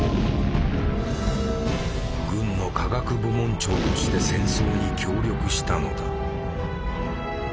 軍の科学部門長として戦争に協力したのだ。